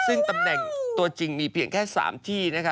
ซึ่งตำแหน่งตัวจริงมีเพียงแค่๓ที่นะคะ